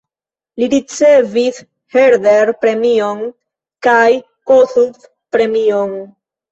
Li ricevis Herder-premion kaj Kossuth-premion.